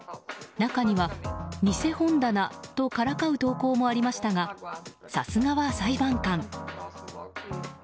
中には偽本棚とからかう投稿もありましたがさすがは裁判官。